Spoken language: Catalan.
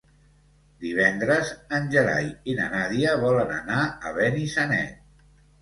Divendres en Gerai i na Nàdia volen anar a Benissanet.